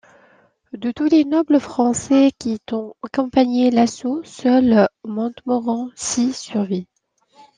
De tous les nobles français qui ont accompagné l'assaut, seul Montmorency survit.